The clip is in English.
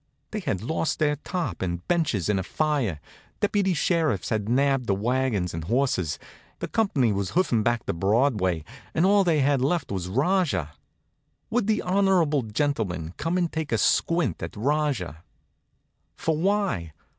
They had lost their top and benches in a fire, deputy sheriffs had nabbed the wagons and horses, the company was hoofing back to Broadway, and all they had left was Rajah. Would the honorable gentleman come and take a squint at Rajah? For why?